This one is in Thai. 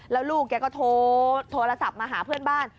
แล้วลูกแกก็โทรศัพท์มาหาเพื่อนบ้าน